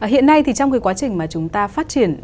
hiện nay trong quá trình chúng ta phát triển